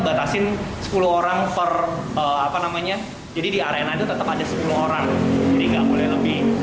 batasin sepuluh orang per apa namanya jadi di arena itu tetap ada sepuluh orang jadi nggak boleh lebih